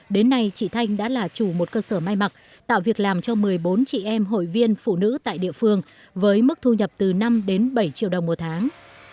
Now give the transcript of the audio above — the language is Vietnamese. đến nay chị thanh đã là chủ một cơ sở may mặc tạo việc làm cho một mươi bốn chị em hội viên phụ nữ tại địa phương với mức thu nhập từ năm đến bảy triệu đồng một tháng